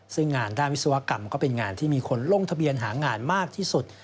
ซึ่งงานด้านวิศวกรรมก็เป็นงานที่มีคนลงทะเบียนหางานมากที่สุด